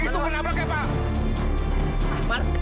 itu menangkap apa